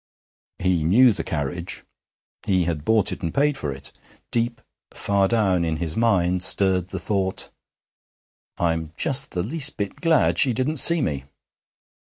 He knew the carriage; he had bought it and paid for it. Deep, far down, in his mind stirred the thought: 'I'm just the least bit glad she didn't see me.'